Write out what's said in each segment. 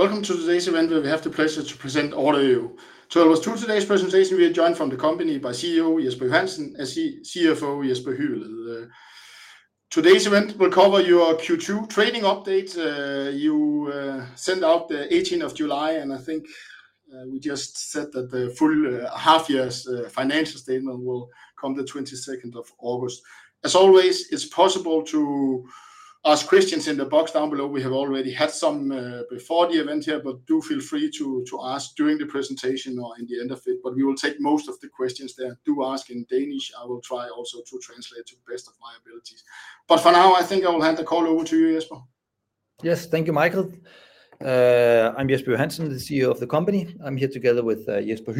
Welcome to today's event, where we have the pleasure to present OrderYOYO. So, to take us through today's presentation, we are joined from the company by CEO Jesper Johansen and CFO Jesper Hyveled. Today's event will cover your Q2 trading update. You sent out the 18th of July, and I think we just said that the full half-year's financial statement will come the 22nd of August. As always, it's possible to ask questions in the box down below. We have already had some before the event here, but do feel free to ask during the presentation or in the end of it, but we will take most of the questions then. Do ask in Danish. I will try also to translate to the best of my abilities, but for now, I think I will hand the call over to you, Jesper. Yes, thank you, Michael. I'm Jesper Johansen, the CEO of the company. I'm here together with Jesper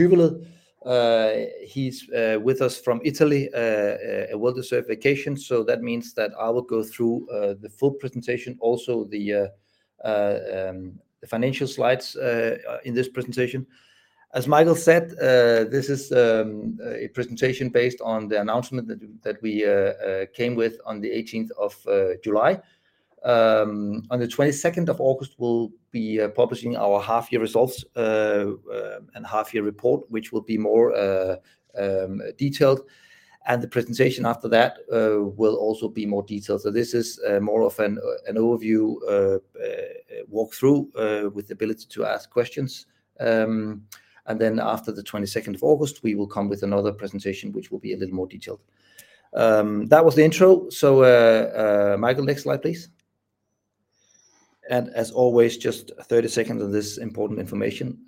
Hyveled. He's with us from Italy at well-deserved vacation. So that means that I will go through the full presentation, also the financial slides in this presentation. As Michael said, this is a presentation based on the announcement that we came with on the eighteenth of July. On the 22nd of August, we'll be publishing our half-year results and half-year report, which will be more detailed, and the presentation after that will also be more detailed. So this is more of an overview walkthrough with the ability to ask questions. And then after the 22nd of August, we will come with another presentation, which will be a little more detailed. That was the intro. So, Michael, next slide, please. And as always, just 30 seconds of this important information.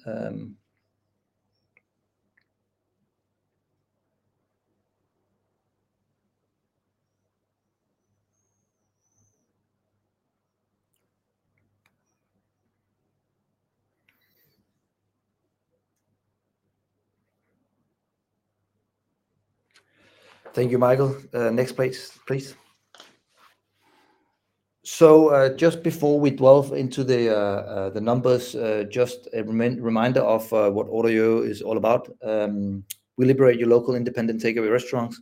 Thank you, Michael. Next, please, . So, just before we delve into the numbers, just a reminder of what OrderYOYO is all about. We liberate your local independent takeaway restaurants,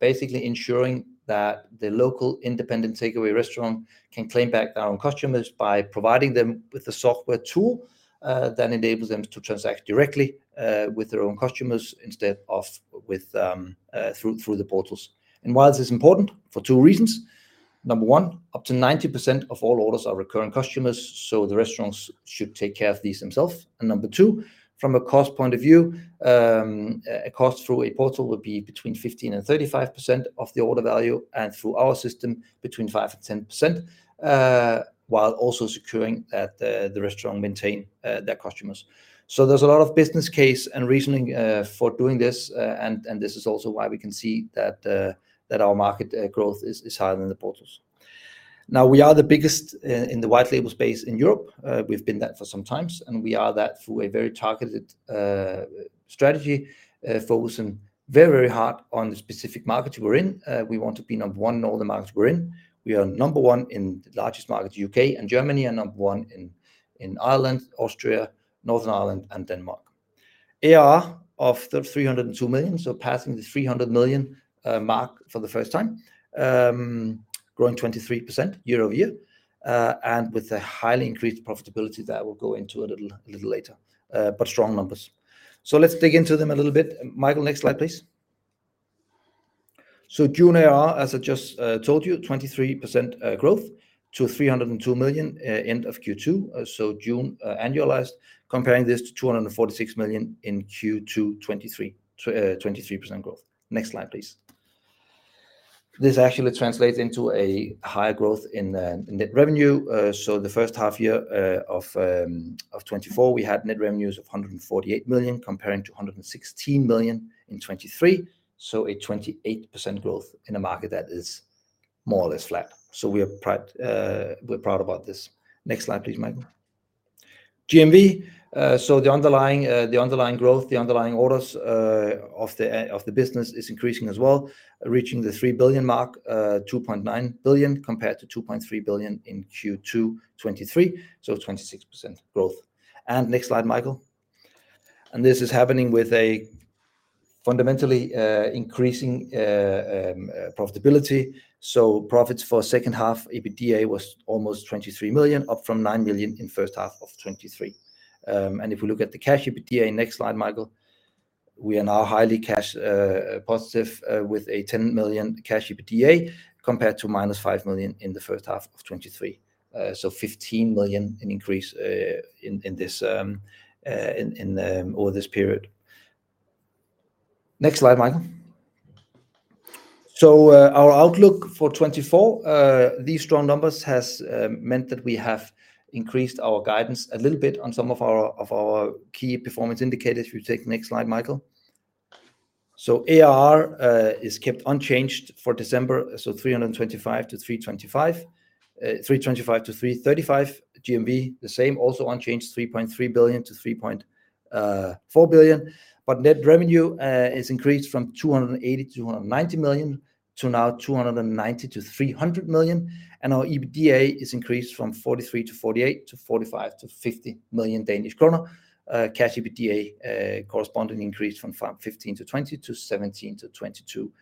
basically ensuring that the local independent takeaway restaurant can claim back their own customers by providing them with a software tool that enables them to transact directly with their own customers instead of with, through the portals. And why this is important? For two reasons. Number one, up to 90% of all orders are recurring customers, so the restaurants should take care of these themselves. And number two, from a cost point of view, a cost through a portal would be between 15% to 35% of the order value, and through our system, between 5% to 10%, while also securing that the restaurant maintain their customers. So there's a lot of business case and reasoning for doing this, and this is also why we can see that that our market growth is higher than the portals. Now, we are the biggest in the white label space in Europe. We've been that for some time, and we are that through a very targeted strategy, focusing very, very hard on the specific markets we're in. We want to be number one in all the markets we're in. We are number one in the largest markets, UK and Germany, and number one in Ireland, Austria, Northern Ireland, and Denmark. ARR of 302 million, so passing the 300 million mark for the first time, growing 23% year-over-year, and with a highly increased profitability that we'll go into a little later, but strong numbers. So let's dig into them a little bit. Michael, next slide, please. So June ARR, as I just told you, 23% growth to 302 million end of Q2. So June annualized, comparing this to 246 million in Q2 2023, 23% growth. Next slide, please. This actually translates into a higher growth in net revenue. So the first half year of 2024, we had net revenues of 148 million, comparing to 116 million in 2023, so a 28% growth in a market that is more or less flat. So we are proud, we're proud about this. Next slide, please, Michael. GMV, so the underlying growth, the underlying orders of the business is increasing as well, reaching the 3 billion mark, 2.9 billion, compared to 2.3 billion in Q2 2023. So 26% growth. And next slide, Michael. And this is happening with a fundamentally increasing profitability. So profits for second half, EBITDA was almost 23 million, up from 9 million in first half of 2023. And if we look at the cash EBITDA, next slide, Michael, we are now highly cash positive, with a 10 million cash EBITDA, compared to -5 million in the first half of 2023. So 15 million increase, in this over this period. Next slide, Michael. So, our outlook for 2024, these strong numbers has meant that we have increased our guidance a little bit on some of our, of our key performance indicators. If you take next slide, Michael. So ARR is kept unchanged for December, so 325 million-335 million. GMV the same, also unchanged, 3.3 billion to 3.4 billion. But net revenue is increased from 280-290 million to now 290-300 million, and our EBITDA is increased from 43-48 million to 45 to 50 million. Cash EBITDA corresponding increase from 15-20 million to 17- 22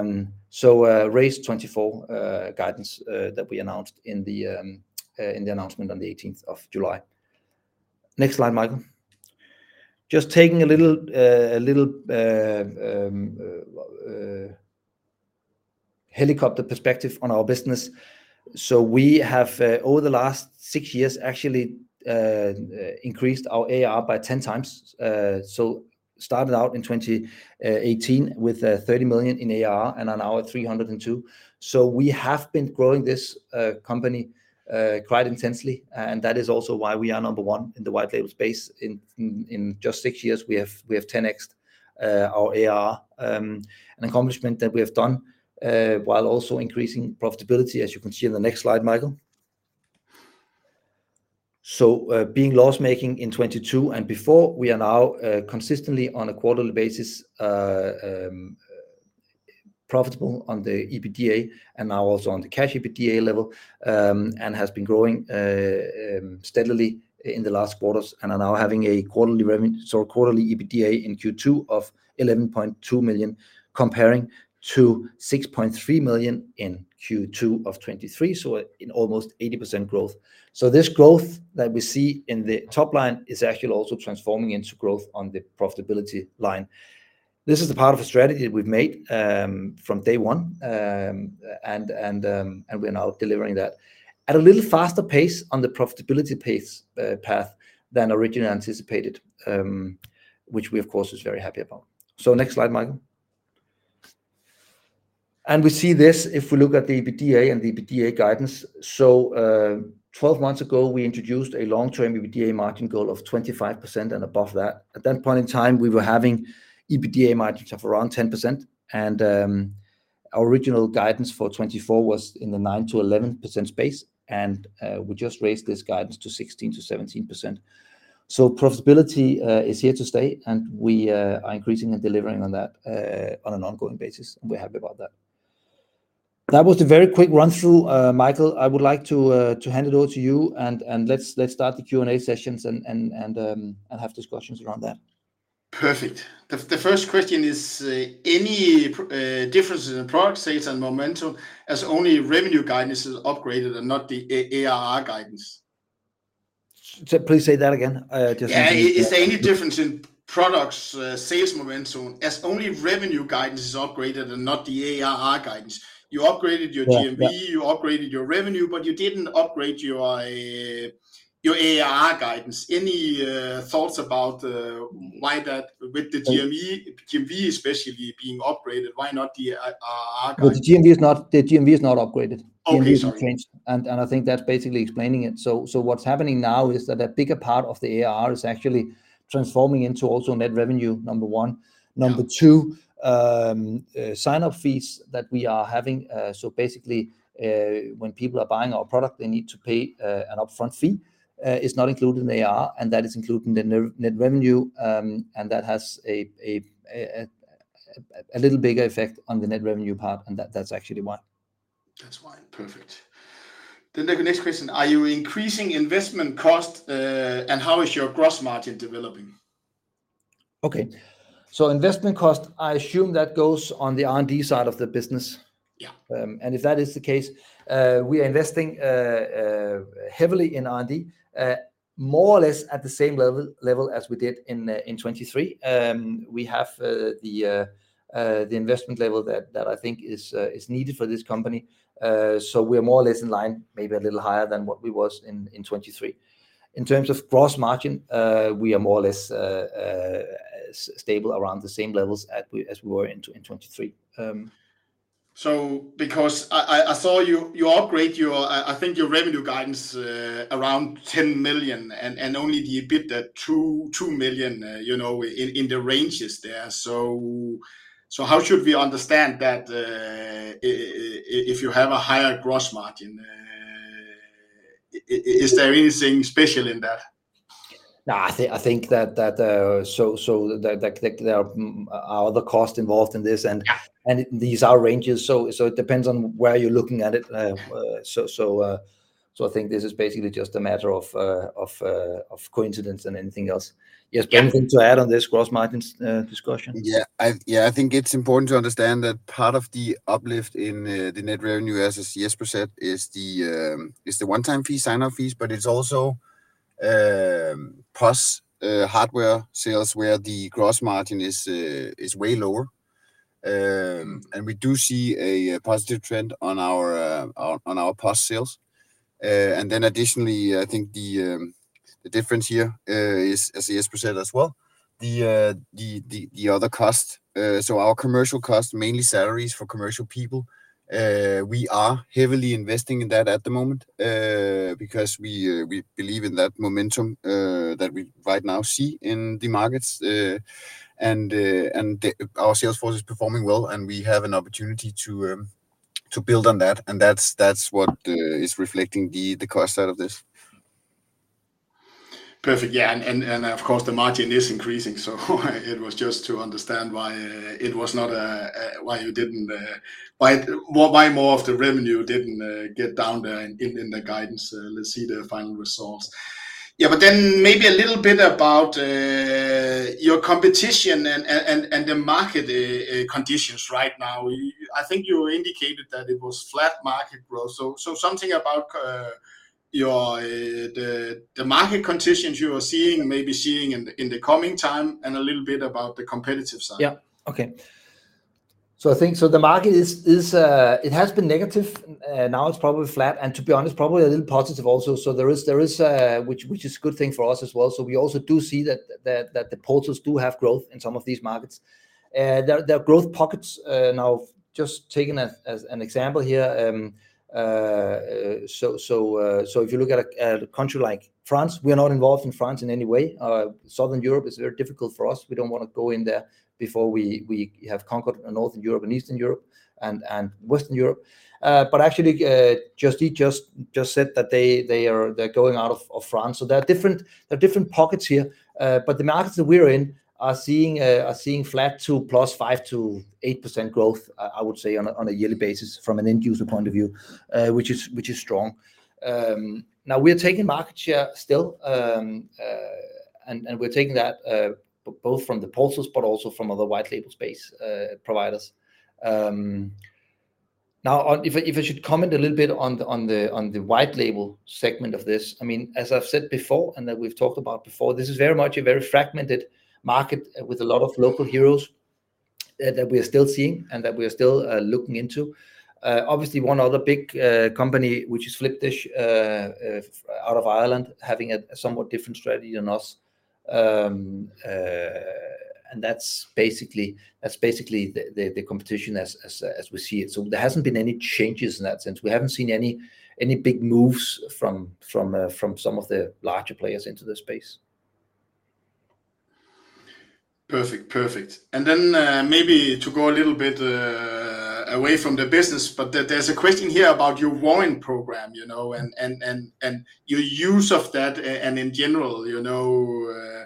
million. So raised 2024 guidance that we announced in the announcement on the eighteenth of July. Next slide, Michael. Just taking a little helicopter perspective on our business. So we have over the last six years, actually, increased our ARR by 10 times. So started out in 2018 with 30 million in ARR, and are now at 302 million. So we have been growing this company quite intensely, and that is also why we are number one in the white label space. In just 6 years, we have 10x our ARR. An accomplishment that we have done while also increasing profitability, as you can see in the next slide, Michael. So being loss-making in 2022 and before, we are now consistently on a quarterly basis profitable on the EBITDA and now also on the cash EBITDA level. And has been growing steadily in the last quarters, and are now having a quarterly revenue—so quarterly EBITDA in Q2 of 11.2 million, comparing to 6.3 million in Q2 of 2023, so an almost 80% growth. So this growth that we see in the top line is actually also transforming into growth on the profitability line. This is the part of a strategy we've made from day one. And we're now delivering that at a little faster pace on the profitability pace, path than originally anticipated, which we, of course, is very happy about. So next slide, Michael. And we see this if we look at the EBITDA and the EBITDA guidance. So, 12 months ago, we introduced a long-term EBITDA margin goal of 25% and above that. At that point in time, we were having EBITDA margins of around 10%, and our original guidance for 2024 was in the 9%-11% space, and we just raised this guidance to 16%-17%. So profitability is here to stay, and we are increasing and delivering on that on an ongoing basis, and we're happy about that. That was a very quick run-through, Michael. I would like to hand it over to you, and let's start the Q&A sessions and have discussions around that. Perfect. The first question is any differences in product sales and momentum, as only revenue guidance is upgraded and not the ARR guidance? So please say that again, just in case- Yeah. Is there any difference in products, sales momentum, as only revenue guidance is upgraded and not the ARR guidance? You upgraded your GMV- Yeah, yeah. You upgraded your revenue, but you didn't upgrade your ARR guidance. Any thoughts about why that with the GMV especially being upgraded, why not the ARR guidance? Well, the GMV is not upgraded. Okay, sorry. GMV has changed, and I think that's basically explaining it. So what's happening now is that a bigger part of the ARR is actually transforming into also net revenue, number one. Yeah. Number two, sign-up fees that we are having. So basically, when people are buying our product, they need to pay an upfront fee. It's not included in the ARR, and that is included in the net-net revenue. And that has a little bigger effect on the net revenue part, and that's actually why. That's why. Perfect. Then the next question: Are you increasing investment cost, and how is your gross margin developing? Okay. So investment cost, I assume that goes on the R&D side of the business. Yeah. And if that is the case, we are investing heavily in R&D, more or less at the same level as we did in 2023. We have the investment level that I think is needed for this company. So we're more or less in line, maybe a little higher than what we was in 2023. In terms of gross margin, we are more or less stable around the same levels as we were in 2023. So because I saw you upgrade your, I think your revenue guidance around 10 million, and only the EBITDA 2 million, you know, in the ranges there. So how should we understand that, if you have a higher gross margin, is there anything special in that? No, I think that there are other costs involved in this, and these are ranges, so it depends on where you're looking at it. So I think this is basically just a matter of coincidence than anything else. Yes, Jesper, anything to add on this gross margin discussion? Yeah, I think it's important to understand that part of the uplift in the net revenue, as Jesper said, is the one-time fee, sign-up fees, but it's also POS hardware sales, where the gross margin is way lower. And we do see a positive trend on our POS sales. And then additionally, I think the difference here is, as Jesper said as well, the other cost, so our commercial cost, mainly salaries for commercial people, we are heavily investing in that at the moment, because we believe in that momentum that we right now see in the markets. And our sales force is performing well, and we have an opportunity to build on that, and that's what is reflecting the cost out of this. Perfect. Yeah, and of course, the margin is increasing, so it was just to understand why it was not, why you didn't, why more of the revenue didn't get down there in the guidance. Let's see the final results. Yeah, but then maybe a little bit about your competition and the market conditions right now. I think you indicated that it was flat market growth. So something about the market conditions you are seeing, maybe seeing in the coming time, and a little bit about the competitive side. Yeah. Okay. So I think, so the market is, it has been negative, now it's probably flat, and to be honest, probably a little positive also. So there is, which is a good thing for us as well. So we also do see that the portals do have growth in some of these markets. There are growth pockets, now just taking as an example here, so if you look at a country like France, we are not involved in France in any way. Southern Europe is very difficult for us. We don't wanna go in there before we have conquered Northern Europe and Eastern Europe and Western Europe. But actually, Just Eat just said that they are going out of France. So there are different pockets here. But the markets that we're in are seeing flat to +5%-8% growth, I would say, on a yearly basis from an end user point of view, which is strong. Now we are taking market share still. And we're taking that both from the portals but also from other white label space providers. Now, if I should comment a little bit on the white label segment of this, I mean, as I've said before, and that we've talked about before, this is very much a very fragmented market with a lot of local heroes that we are still seeing and that we are still looking into. Obviously, one other big company, which is Flipdish, out of Ireland, having a somewhat different strategy than us. And that's basically the competition as we see it. So there hasn't been any changes in that sense. We haven't seen any big moves from some of the larger players into the space. Perfect. Perfect. Then, maybe to go a little bit away from the business, but there's a question here about your warrant program, you know, and your use of that and in general, you know,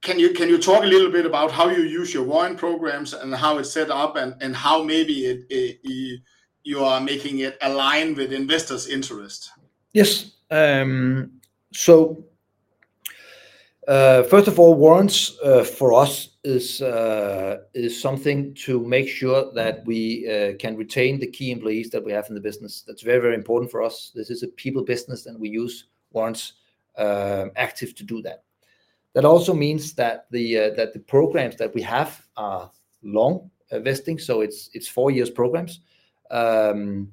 can you talk a little bit about how you use your warrant programs and how it's set up, and how maybe you are making it align with investors' interest? Yes. So, first of all, warrants for us is something to make sure that we can retain the key employees that we have in the business. That's very, very important for us. This is a people business, and we use warrants active to do that. That also means that the programs that we have are long vesting, so it's four years programs. And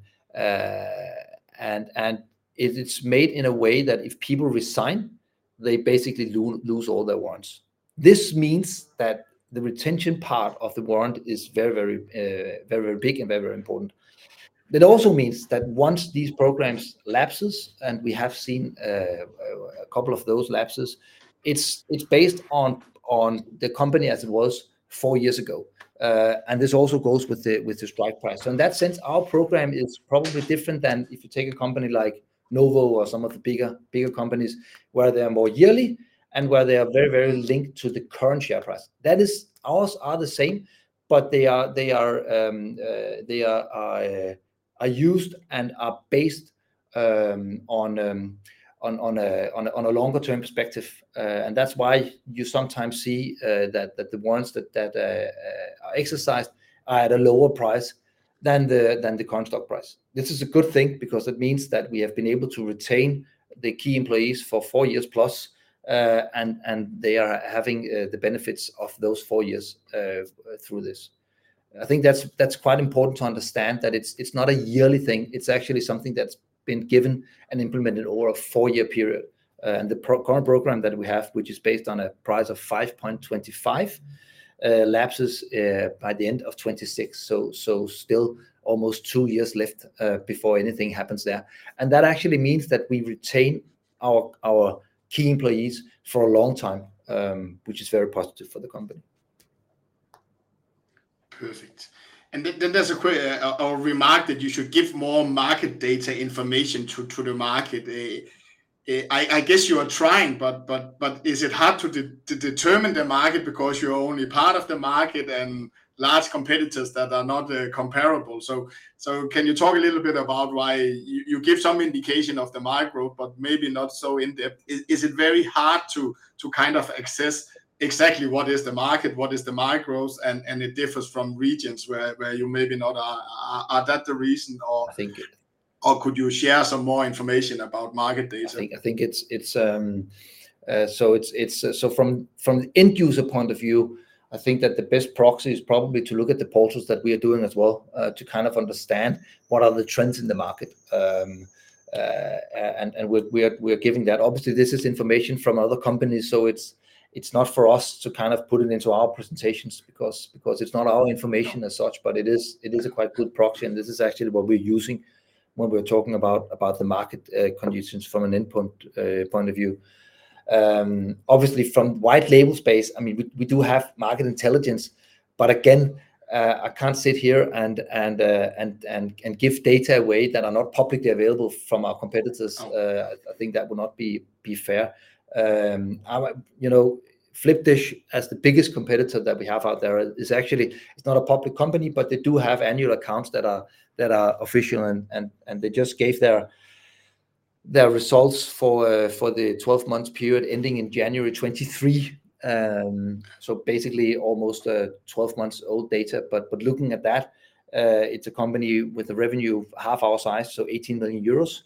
it's made in a way that if people resign, they basically lose all their warrants. This means that the retention part of the warrant is very, very very, very big and very, very important. It also means that once these programs lapses, and we have seen a couple of those lapses, it's based on the company as it was four years ago. And this also goes with the strike price. So in that sense, our program is probably different than if you take a company like Novo or some of the bigger companies, where they are more yearly and where they are very linked to the current share price. Ours are the same, but they are used and are based on a longer-term perspective. And that's why you sometimes see that the warrants that are exercised are at a lower price than the current stock price. This is a good thing because it means that we have been able to retain the key employees for four years plus, and they are having the benefits of those four years through this. I think that's quite important to understand, that it's not a yearly thing, it's actually something that's been given and implemented over a 4-year period. And the current program that we have, which is based on a price of 5.25, lapses by the end of 2026. So still almost two years left before anything happens there. And that actually means that we retain our key employees for a long time, which is very positive for the company. Perfect. Then there's a remark that you should give more market data information to the market. I guess you are trying, but is it hard to determine the market because you're only part of the market and large competitors that are not comparable? So can you talk a little bit about why you give some indication of the market, but maybe not so in-depth. Is it very hard to kind of assess exactly what is the market, what is the markets, and it differs from regions where you maybe not... Is that the reason, or could you share some more information about market data? I think it's from the end user point of view, I think that the best proxy is probably to look at the portals that we are doing as well, to kind of understand what are the trends in the market. We are giving that. Obviously, this is information from other companies, so it's not for us to kind of put it into our presentations because it's not our information as such, but it is a quite good proxy, and this is actually what we're using when we're talking about the market conditions from an input point of view. Obviously, from white label space, I mean, we do have market intelligence, but again, I can't sit here and give data away that are not publicly available from our competitors. Oh. I think that would not be fair. I would... You know, Flipdish, as the biggest competitor that we have out there, is actually it's not a public company, but they do have annual accounts that are official, and they just gave their results for the 12 months period ending in January 2023. So basically almost 12 months old data, but looking at that, it's a company with a revenue of half our size, so 18 million euros,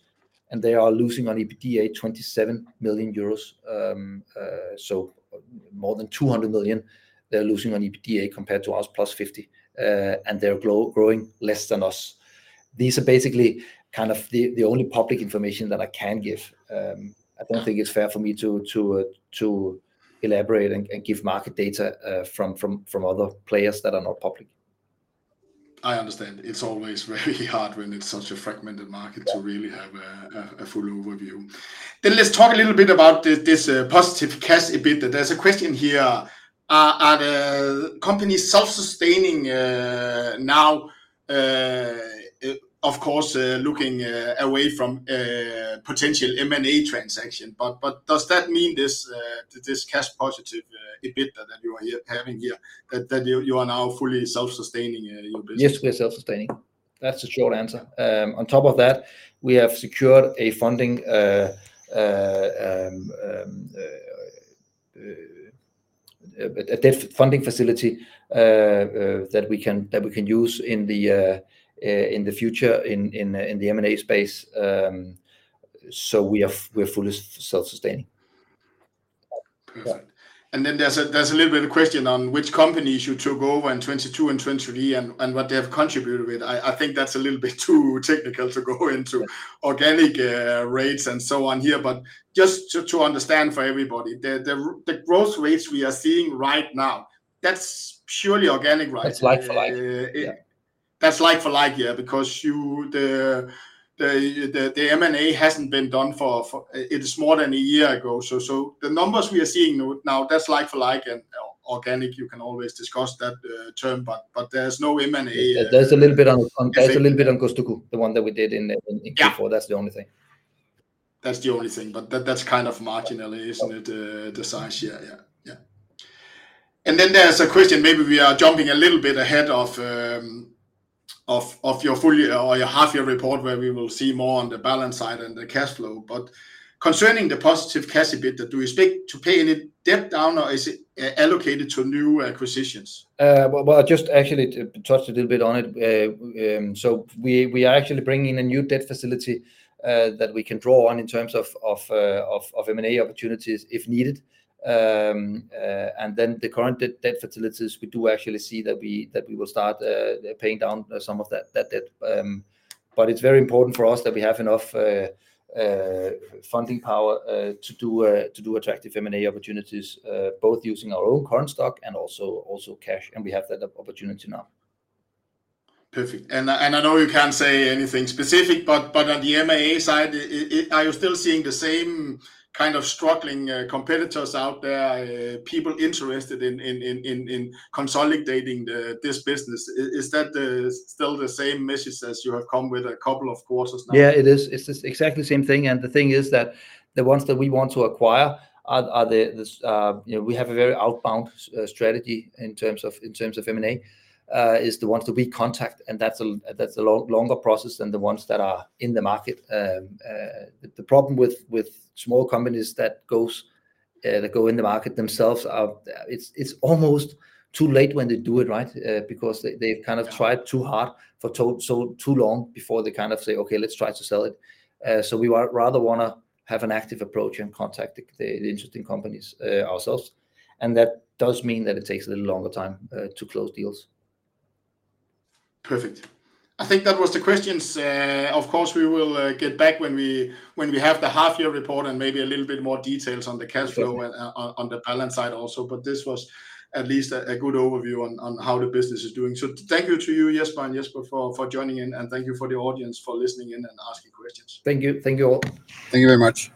and they are losing on EBITDA 27 million euros. So more than 200 million, they're losing on EBITDA compared to us 50+ million, and they're growing less than us. These are basically kind of the only public information that I can give. I don't think it's fair for me to elaborate and give market data from other players that are not public. I understand. It's always very hard when it's such a fragmented market to really have a full overview. Then let's talk a little bit about this positive Cash EBITDA. There's a question here, are the company self-sustaining now, of course, looking away from potential M&A transaction? But does that mean this cash positive EBITDA that you are having here, that you are now fully self-sustaining your business? Yes, we are self-sustaining. That's the short answer. On top of that, we have secured a funding, a debt funding facility, that we can use in the future, in the M&A space. So we're fully self-sustaining. Perfect. And then there's a little bit of question on which companies you took over in 2022 and 2023, and what they have contributed with. I think that's a little bit too technical to go into organic rates and so on here, but just to understand for everybody, the growth rates we are seeing right now, that's purely organic, right? That's like for like. Yeah. That's like for like, yeah, because the M&A hasn't been done, for it is more than a year ago. So the numbers we are seeing now, that's like for like and organic. You can always discuss that term, but there's no M&A- There's a little bit on Kostuku, the one that we did in Q4. Yeah. That's the only thing. That's the only thing, but that's kind of marginally, isn't it? The size. Yeah, yeah, yeah. And then there's a question, maybe we are jumping a little bit ahead of your full year or your half-year report, where we will see more on the balance side and the cash flow, but concerning the positive Cash EBITDA, do you expect to pay any debt down or is it allocated to new acquisitions? Well, I just actually touched a little bit on it. So we are actually bringing a new debt facility that we can draw on in terms of M&A opportunities if needed. And then the current debt facilities, we do actually see that we will start paying down some of that debt. But it's very important for us that we have enough funding power to do attractive M&A opportunities, both using our own current stock and also cash, and we have that opportunity now. Perfect. And I know you can't say anything specific, but on the M&A side, are you still seeing the same kind of struggling competitors out there? People interested in consolidating this business? Is that still the same message as you have come with a couple of quarters now? Yeah, it is. It's exactly the same thing, and the thing is that the ones that we want to acquire are the ones that we contact. You know, we have a very outbound strategy in terms of M&A, and that's a longer process than the ones that are in the market. The problem with small companies that go in the market themselves is it's almost too late when they do it, right? Because they've kind of tried too hard for too long before they kind of say, "Okay, let's try to sell it." So we rather wanna have an active approach and contact the interesting companies ourselves, and that does mean that it takes a little longer time to close deals. Perfect. I think that was the questions. Of course, we will get back when we have the half-year report, and maybe a little bit more details on the cash flow and on the balance side also. But this was at least a good overview on how the business is doing. So thank you to you, Jesper and Jesper, for joining in, and thank you for the audience, for listening in and asking questions. Thank you. Thank you all. Thank you very much.